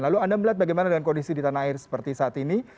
lalu anda melihat bagaimana dengan kondisi di tanah air seperti saat ini